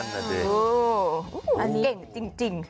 อันนี้เก่งจริง